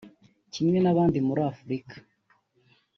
Kimwe n’ahandi muri Afurika